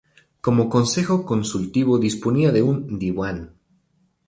Como consejo consultivo disponía de un "Diwan".